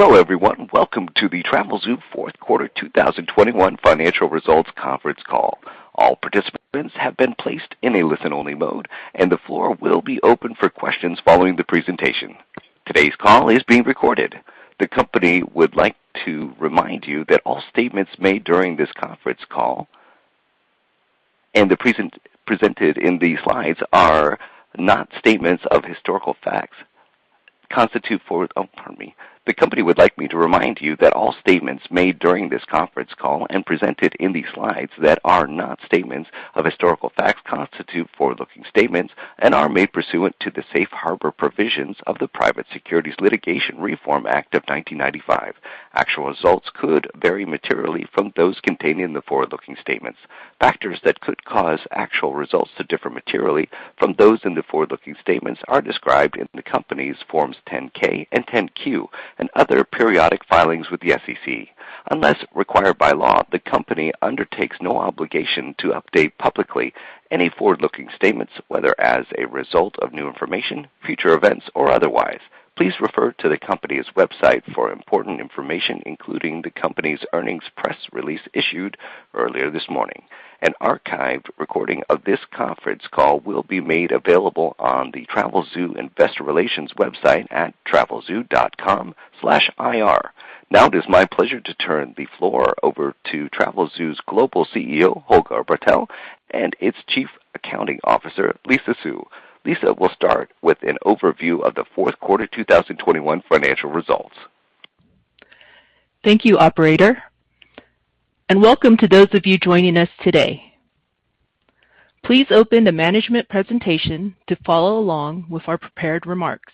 Hello, everyone. Welcome to the Travelzoo Fourth Quarter 2021 financial results conference call. All participants have been placed in a listen-only mode, and the floor will be open for questions following the presentation. Today's call is being recorded. The company would like to remind you that all statements made during this conference call and presented in these slides that are not statements of historical facts constitute forward-looking statements and are made pursuant to the Safe Harbor provisions of the Private Securities Litigation Reform Act of 1995. Actual results could vary materially from those contained in the forward-looking statements. Factors that could cause actual results to differ materially from those in the forward-looking statements are described in the company's Forms 10-K and 10-Q and other periodic filings with the SEC. Unless required by law, the company undertakes no obligation to update publicly any forward-looking statements, whether as a result of new information, future events, or otherwise. Please refer to the company's website for important information, including the company's earnings press release issued earlier this morning. An archived recording of this conference call will be made available on the Travelzoo Investor Relations website at travelzoo.com/ir. Now it is my pleasure to turn the floor over to Travelzoo's Global CEO, Holger Bartel, and its Chief Accounting Officer, Lisa Su. Lisa Su will start with an overview of the fourth quarter 2021 financial results. Thank you, operator, and welcome to those of you joining us today. Please open the management presentation to follow along with our prepared remarks.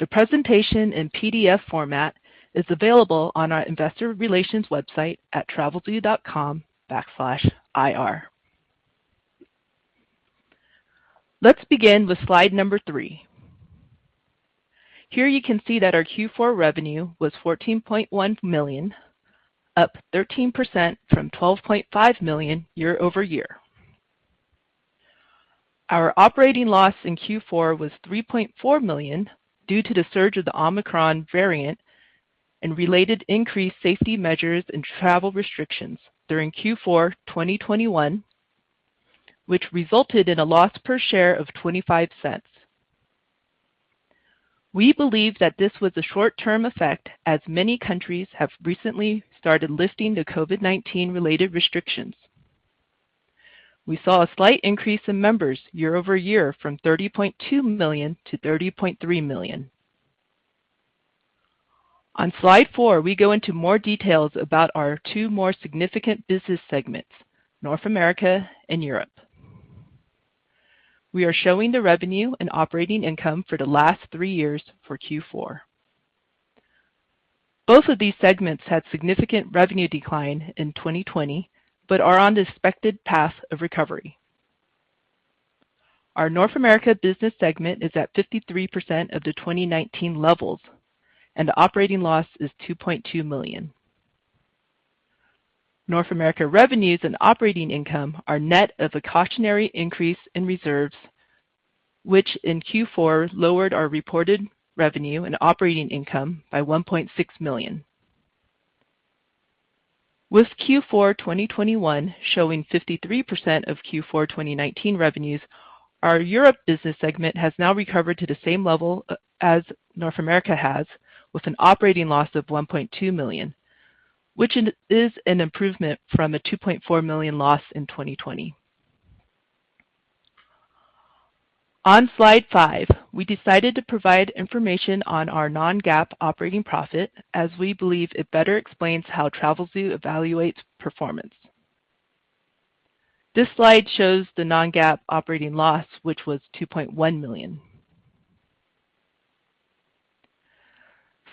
The presentation in PDF format is available on our investor relations website at travelzoo.com/ir. Let's begin with slide number three. Here you can see that our Q4 revenue was $14.1 million, up 13% from $12.5 million year-over-year. Our operating loss in Q4 was $3.4 million due to the surge of the Omicron variant and related increased safety measures and travel restrictions during Q4 2021, which resulted in a loss per share of $0.25. We believe that this was a short term effect as many countries have recently started lifting the COVID-19 related restrictions. We saw a slight increase in members year-over-year from 30.2 million to 30.3 million. On slide four, we go into more details about our two more significant business segments, North America and Europe. We are showing the revenue and operating income for the last three years for Q4. Both of these segments had significant revenue decline in 2020, but are on the expected path of recovery. Our North America business segment is at 53% of the 2019 levels, and the operating loss is $2.2 million. North America revenues and operating income are net of a cautionary increase in reserves, which in Q4 lowered our reported revenue and operating income by $1.6 million. With Q4 2021 showing 53% of Q4 2019 revenues, our Europe business segment has now recovered to the same level as North America has with an operating loss of $1.2 million, which is an improvement from a $2.4 million loss in 2020. On slide five, we decided to provide information on our non-GAAP operating profit as we believe it better explains how Travelzoo evaluates performance. This slide shows the non-GAAP operating loss, which was $2.1 million.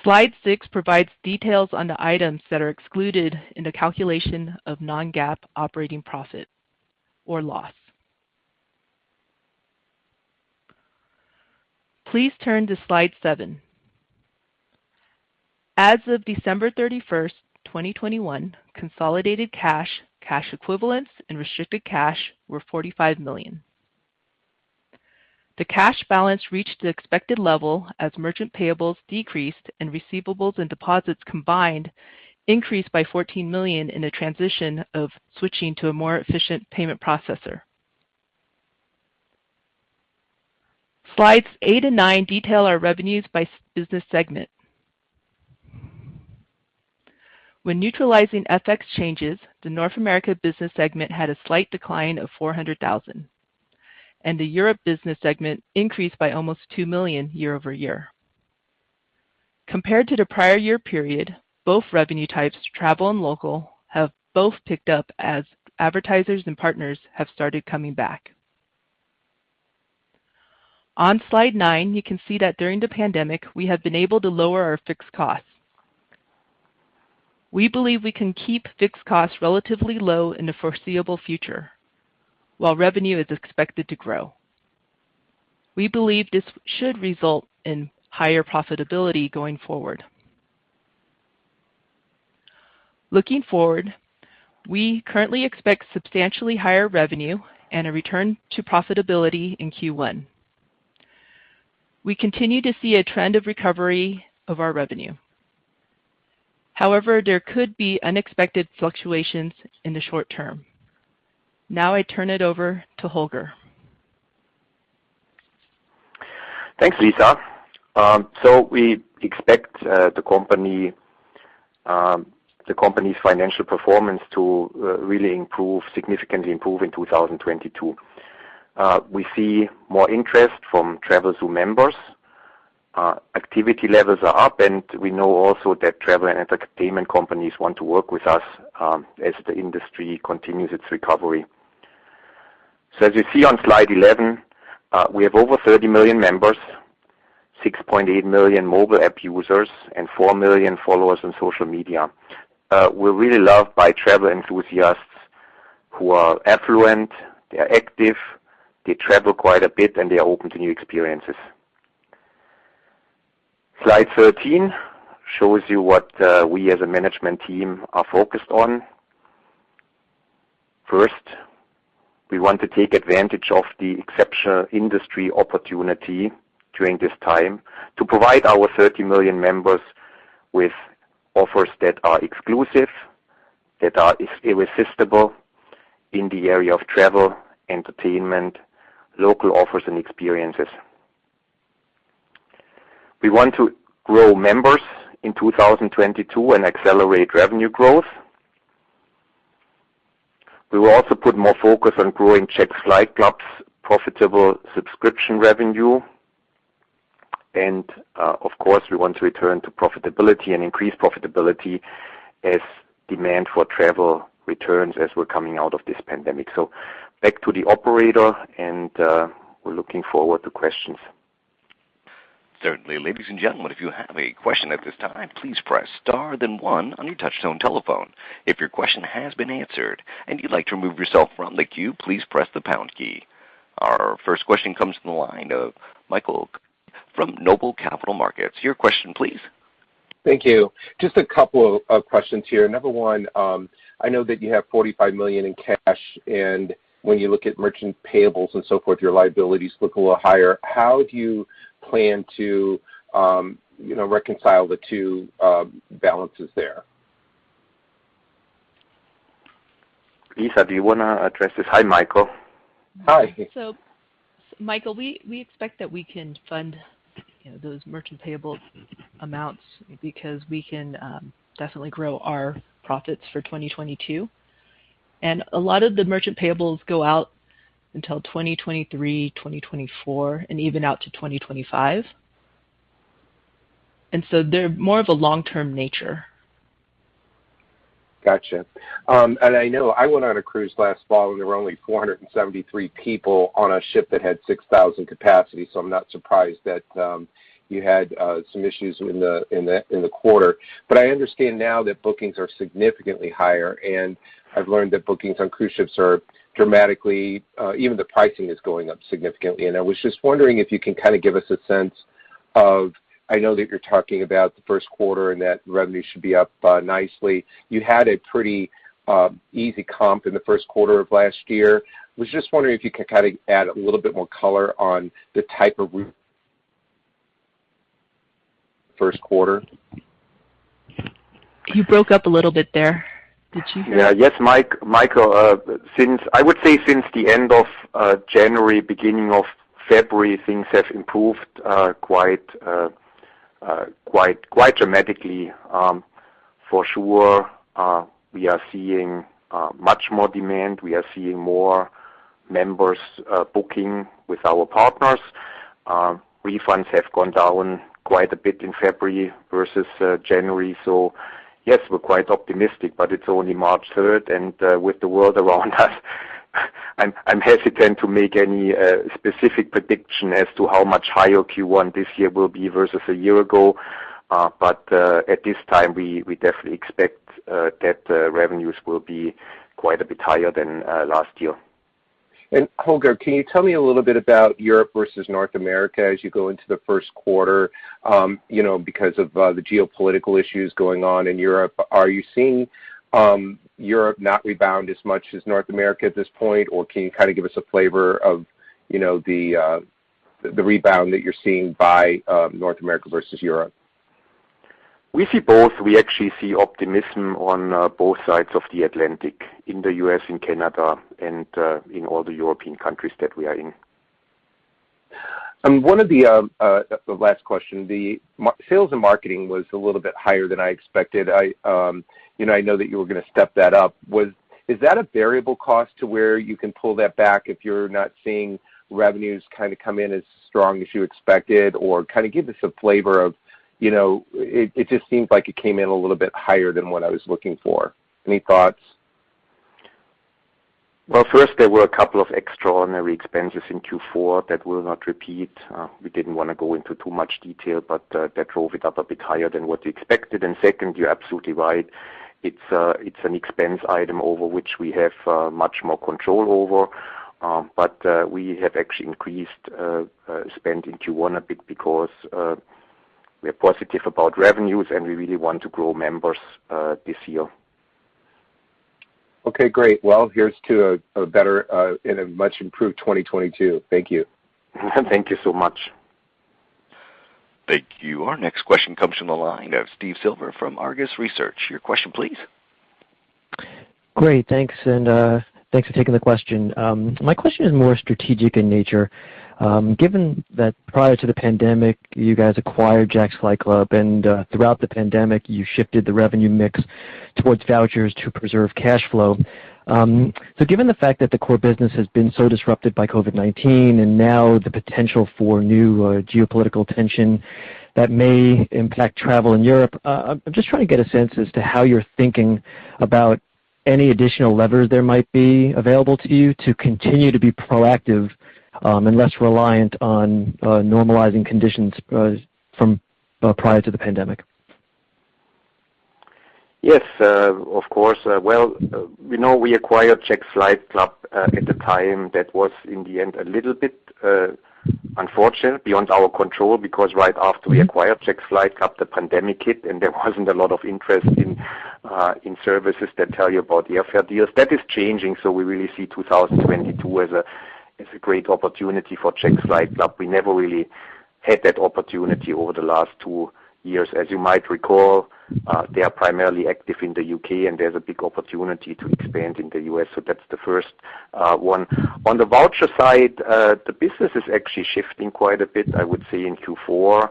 Slide six provides details on the items that are excluded in the calculation of non-GAAP operating profit or loss. Please turn to slide seven. As of December 31st, 2021, consolidated cash equivalents, and restricted cash were $45 million. The cash balance reached the expected level as merchant payables decreased and receivables and deposits combined increased by $14 million in the transition of switching to a more efficient payment processor. Slides eight and nine detail our revenues by business segment. When neutralizing FX changes, the North America business segment had a slight decline of $400,000, and the Europe business segment increased by almost $2 million year-over-year. Compared to the prior year period, both revenue types, travel and local, have both picked up as advertisers and partners have started coming back. On slide nine, you can see that during the pandemic, we have been able to lower our fixed costs. We believe we can keep fixed costs relatively low in the foreseeable future while revenue is expected to grow. We believe this should result in higher profitability going forward. Looking forward, we currently expect substantially higher revenue and a return to profitability in Q1. We continue to see a trend of recovery of our revenue. However, there could be unexpected fluctuations in the short term. Now I turn it over to Holger. Thanks, Lisa. We expect the company's financial performance to really improve, significantly improve in 2022. We see more interest from Travelzoo members. Activity levels are up, and we know also that travel and entertainment companies want to work with us as the industry continues its recovery. As you see on slide 11, we have over 30 million members, 6.8 million mobile app users, and 4 million followers on social media. We're really loved by travel enthusiasts who are affluent, they're active, they travel quite a bit, and they are open to new experiences. Slide 13 shows you what we as a management team are focused on. First, we want to take advantage of the exceptional industry opportunity during this time to provide our 30 million members with offers that are exclusive, that are irresistible in the area of travel, entertainment, local offers, and experiences. We want to grow members in 2022 and accelerate revenue growth. We will also put more focus on growing Jack's Flight Club's profitable subscription revenue. Of course, we want to return to profitability and increase profitability as demand for travel returns as we're coming out of this pandemic. Back to the operator, and we're looking forward to questions. Certainly. Ladies and gentlemen, if you have a question at this time, please press Star then one on your touchtone telephone. If your question has been answered and you'd like to remove yourself from the queue, please press the pound key. Our first question comes from the line of Michael from Noble Capital Markets. Your question please. Thank you. Just a couple of questions here. Number one, I know that you have $45 million in cash, and when you look at merchant payables and so forth, your liabilities look a little higher. How do you plan to, you know, reconcile the two balances there? Lisa, do you wanna address this? Hi, Michael. Hi. Michael, we expect that we can fund, you know, those merchant payable amounts because we can definitely grow our profits for 2022. A lot of the merchant payables go out until 2023, 2024, and even out to 2025. They're more of a long-term nature. Gotcha. I know I went on a cruise last fall, and there were only 473 people on a ship that had 6,000 capacity, so I'm not surprised that you had some issues in the quarter. I understand now that bookings are significantly higher, and I've learned that bookings on cruise ships are dramatically, even the pricing is going up significantly. I was just wondering if you can kinda give us a sense of. I know that you're talking about the first quarter and that revenue should be up nicely. You had a pretty easy comp in the first quarter of last year. I was just wondering if you could kinda add a little bit more color on the first quarter. You broke up a little bit there. Did you hear? Yes, Michael, I would say, since the end of January, beginning of February, things have improved quite dramatically. For sure, we are seeing much more demand. We are seeing more members booking with our partners. Refunds have gone down quite a bit in February versus January. Yes, we're quite optimistic, but it's only March third, and with the world around us, I'm hesitant to make any specific prediction as to how much higher Q1 this year will be versus a year ago. At this time, we definitely expect that revenues will be quite a bit higher than last year. Holger, can you tell me a little bit about Europe versus North America as you go into the first quarter? You know, because of the geopolitical issues going on in Europe, are you seeing Europe not rebound as much as North America at this point? Or can you kinda give us a flavor of, you know, the rebound that you're seeing by North America versus Europe? We see both. We actually see optimism on both sides of the Atlantic, in the U.S. and Canada and in all the European countries that we are in. One of the last question, sales and marketing was a little bit higher than I expected. You know, I know that you were gonna step that up. Is that a variable cost to where you can pull that back if you're not seeing revenues kinda come in as strong as you expected, or kinda give us a flavor of, you know. It just seems like it came in a little bit higher than what I was looking for. Any thoughts? Well, first, there were a couple of extraordinary expenses in Q4 that will not repeat. We didn't wanna go into too much detail, but that drove it up a bit higher than what we expected. Second, you're absolutely right. It's an expense item over which we have much more control over. But we have actually increased spend in Q1 a bit because we're positive about revenues, and we really want to grow members this year. Okay, great. Well, here's to a better and a much improved 2022. Thank you. Thank you so much. Thank you. Our next question comes from the line of Steve Silver from Argus Research. Your question please. Great. Thanks, and thanks for taking the question. My question is more strategic in nature. Given that prior to the pandemic, you guys acquired Jack's Flight Club, and throughout the pandemic, you shifted the revenue mix towards vouchers to preserve cash flow. Given the fact that the core business has been so disrupted by COVID-19 and now the potential for new geopolitical tension that may impact travel in Europe, I'm just trying to get a sense as to how you're thinking about any additional levers there might be available to you to continue to be proactive, and less reliant on normalizing conditions from prior to the pandemic. Yes, of course. Well, we know we acquired Jack's Flight Club, at the time that was in the end a little bit unfortunate beyond our control, because right after we acquired Jack's Flight Club, the pandemic hit, and there wasn't a lot of interest in services that tell you about the airfare deals. That is changing, so we really see 2022 as a great opportunity for Jack's Flight Club. We never really had that opportunity over the last two years. As you might recall, they are primarily active in the U.K., and there's a big opportunity to expand in the U.S. That's the first one. On the voucher side, the business is actually shifting quite a bit. I would say in Q4,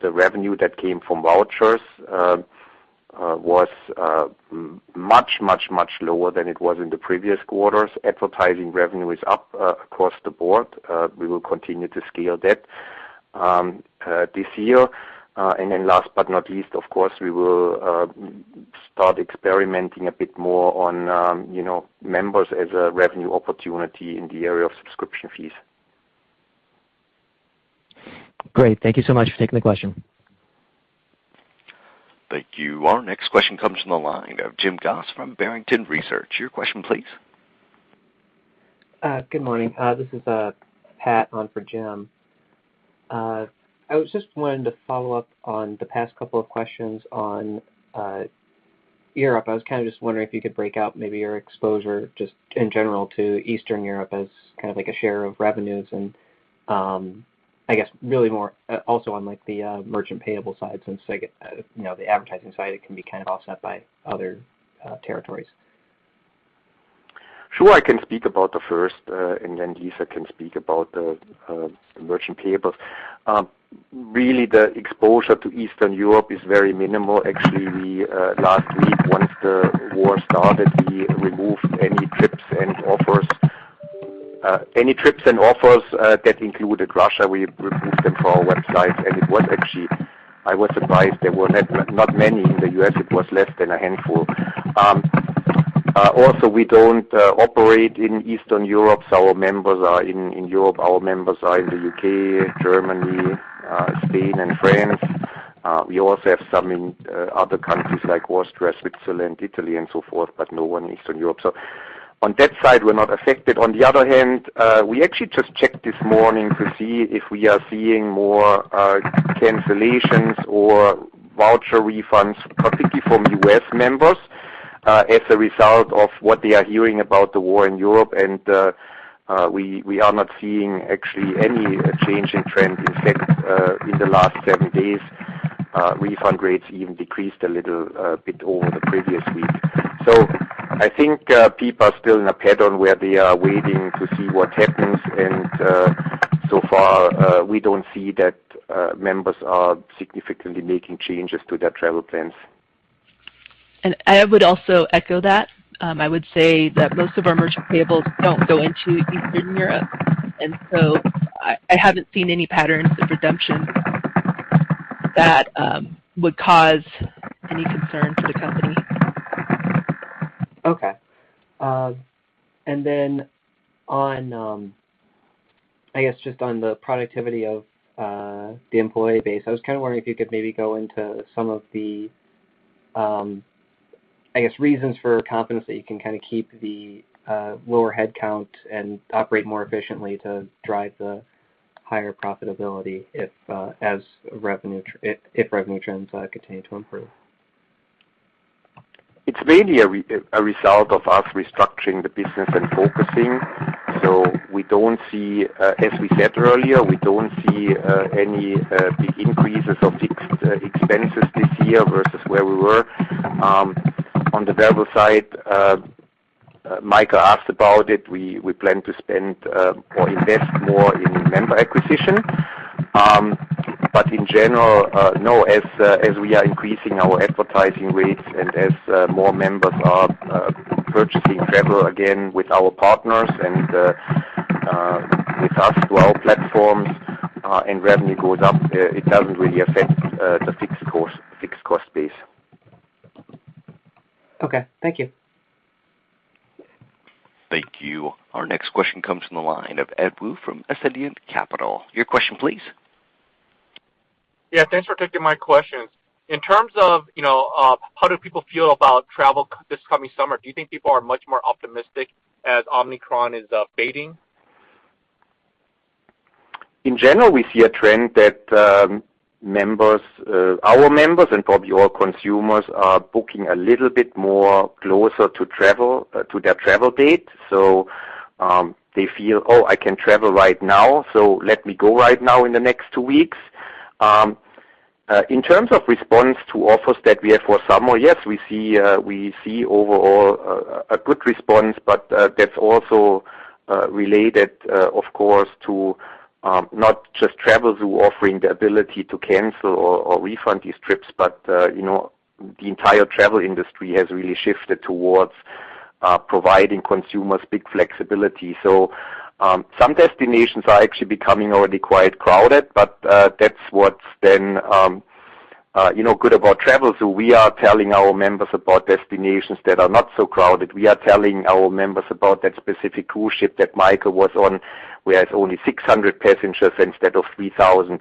the revenue that came from vouchers was much lower than it was in the previous quarters. Advertising revenue is up across the board. We will continue to scale that this year. Last but not least, of course, we will start experimenting a bit more on, you know, members as a revenue opportunity in the area of subscription fees. Great. Thank you so much for taking the question. Thank you. Our next question comes from the line of Jim Goss from Barrington Research. Your question please. Good morning. This is Pat on for Jim. I was just wanting to follow up on the past couple of questions on Europe. I was kinda just wondering if you could break out maybe your exposure just in general to Eastern Europe as kind of like a share of revenues and I guess really more also on like the merchant payable side since they get you know the advertising side it can be kind of offset by other territories. Sure. I can speak about the first, and then Lisa can speak about the merchant payables. Really, the exposure to Eastern Europe is very minimal. Actually, we last week, once the war started, we removed any trips and offers that included Russia. We removed them from our website. It was actually, I was surprised there were not many. In the U.S., it was less than a handful. Also we don't operate in Eastern Europe, so our members are in Europe. Our members are in the U.K., Germany, Spain, and France. We also have some in other countries like Austria, Switzerland, Italy, and so forth, but no one in Eastern Europe. On that side, we're not affected. On the other hand, we actually just checked this morning to see if we are seeing more cancellations or voucher refunds, particularly from U.S. members, as a result of what they are hearing about the war in Europe. We are not seeing actually any change in trend. In fact, in the last seven days, refund rates even decreased a little bit over the previous week. I think people are still in a pattern where they are waiting to see what happens. So far, we don't see that members are significantly making changes to their travel plans. I would also echo that. I would say that most of our merchant payables don't go into Eastern Europe, and so I haven't seen any patterns of redemption that would cause any concern to the company. Okay. On, I guess, just on the productivity of the employee base, I was kinda wondering if you could maybe go into some of the, I guess, reasons for confidence that you can kinda keep the lower headcount and operate more efficiently to drive the higher profitability if revenue trends continue to improve? It's mainly a result of us restructuring the business and focusing. We don't see, as we said earlier, any big increases of fixed expenses this year versus where we were. On the variable side, Mike asked about it. We plan to spend or invest more in member acquisition. In general, no. As we are increasing our advertising rates and as more members are purchasing travel again with our partners and with us through our platforms, and revenue goes up, it doesn't really affect the fixed cost base. Okay. Thank you. Thank you. Our next question comes from the line of Ed Woo from Ascendiant Capital. Your question please. Yeah. Thanks for taking my questions. In terms of, you know, how do people feel about this coming summer, do you think people are much more optimistic as Omicron is fading? In general, we see a trend that our members and probably our consumers are booking a little bit more closer to their travel date. They feel, "Oh, I can travel right now, so let me go right now in the next two weeks." In terms of response to offers that we have for summer, yes, we see overall a good response, but that's also related, of course, to not just Travelzoo offering the ability to cancel or refund these trips, but you know, the entire travel industry has really shifted towards providing consumers big flexibility. Some destinations are actually becoming already quite crowded, but that's what's then you know good about Travelzoo. We are telling our members about destinations that are not so crowded. We are telling our members about that specific cruise ship that Michael was on, where it's only 600 passengers instead of 3,000.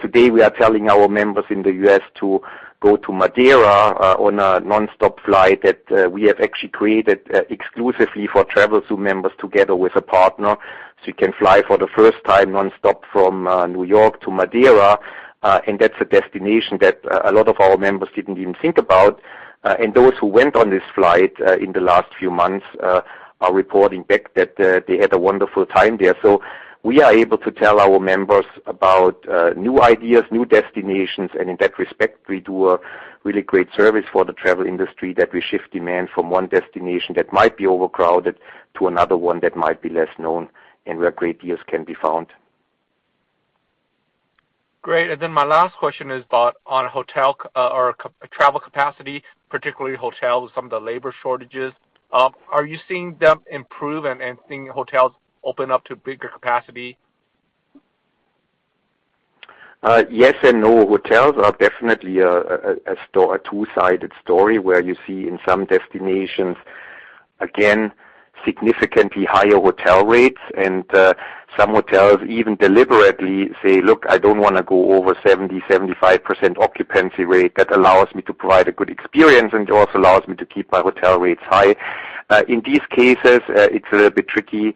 Today, we are telling our members in the U.S. to go to Madeira on a nonstop flight that we have actually created exclusively for Travelzoo members together with a partner, so you can fly for the first time nonstop from New York to Madeira, and that's a destination that a lot of our members didn't even think about. Those who went on this flight in the last few months are reporting back that they had a wonderful time there. We are able to tell our members about new ideas, new destinations, and in that respect, we do a really great service for the travel industry that we shift demand from one destination that might be overcrowded to another one that might be less known and where great deals can be found. Great. My last question is about hotel or car travel capacity, particularly hotels with some of the labor shortages. Are you seeing them improve and seeing hotels open up to bigger capacity? Yes and no. Hotels are definitely a two-sided story where you see in some destinations, again, significantly higher hotel rates, and some hotels even deliberately say, "Look, I don't wanna go over 70%-75% occupancy rate. That allows me to provide a good experience, and it also allows me to keep my hotel rates high." In these cases, it's a little bit tricky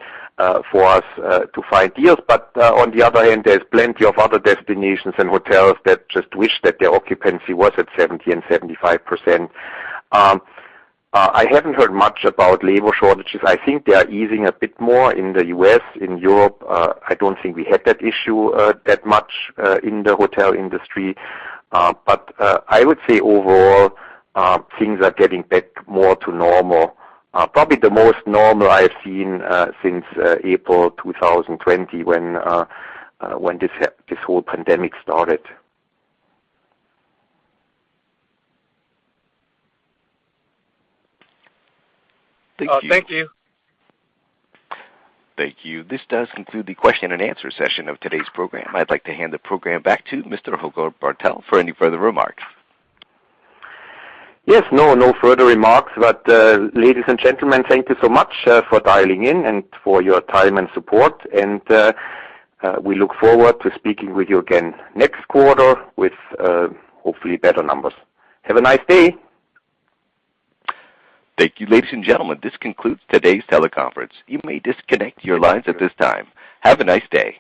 for us to find deals. On the other hand, there's plenty of other destinations and hotels that just wish that their occupancy was at 70% and 75%. I haven't heard much about labor shortages. I think they are easing a bit more in the U.S. In Europe, I don't think we had that issue that much in the hotel industry. I would say overall things are getting back more to normal, probably the most normal I have seen since April 2020 when this whole pandemic started. Thank you. Thank you. Thank you. This does conclude the question and answer session of today's program. I'd like to hand the program back to Mr. Holger Bartel for any further remarks. Yes. No further remarks, but ladies and gentlemen, thank you so much for dialing in and for your time and support. We look forward to speaking with you again next quarter with hopefully better numbers. Have a nice day. Thank you. Ladies and gentlemen, this concludes today's teleconference. You may disconnect your lines at this time. Have a nice day.